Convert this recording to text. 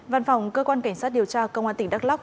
văn phòng cơ quan cảnh sát điều tra công an tp hcm